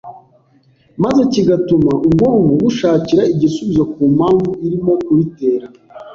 maze kigatuma ubwonko bushakira igisubizo ku mpamvu irimo kubitera.